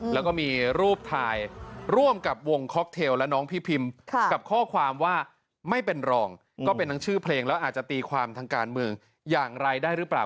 แล้วก็มีรูปถ่ายร่วมกับวงค็อกเทลและน้องพี่พิมกับข้อความว่าไม่เป็นรองก็เป็นทั้งชื่อเพลงแล้วอาจจะตีความทางการเมืองอย่างไรได้หรือเปล่า